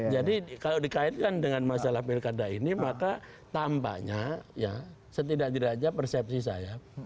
jadi kalau dikaitkan dengan masalah pilkada ini maka tampaknya setidak tidaknya persepsi saya